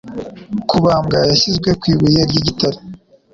Kubambwa yashyizwe ku ibuye ryigitare